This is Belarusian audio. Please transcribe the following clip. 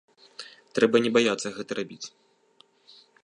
Трэба не баяцца гэта рабіць.